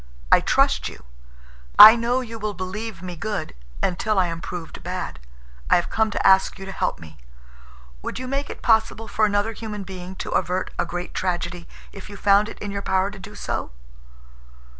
I trust you. I know you will believe me good until I am proved bad. I have come to ask you to help me. Would you make it possible for another human being to avert a great tragedy if you found it in your power to do so?"